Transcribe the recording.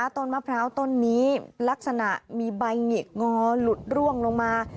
ต้นมะพร้าวต้นนี้ลักษณะมีใบหงิกงอหลุดร่วงลงมา